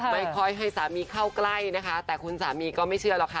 ไม่ค่อยให้สามีเข้าใกล้นะคะแต่คุณสามีก็ไม่เชื่อหรอกค่ะ